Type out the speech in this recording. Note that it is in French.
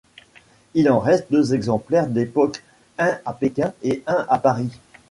Il en reste deux exemplaires d’époque, un à Pékin et un à Paris.